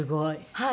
はい。